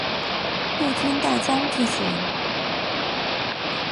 陆军大将军衔。